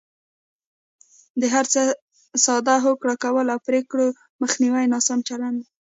د هر څه سره ساده هوکړه کول او پرېکړو مخنیوی ناسم چلند دی.